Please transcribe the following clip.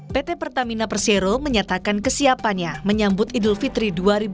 pt pertamina persero menyatakan kesiapannya menyambut idul fitri dua ribu dua puluh